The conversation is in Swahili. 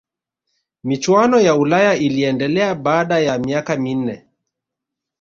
michuano ya ulaya iliendelea baada ya miaka minne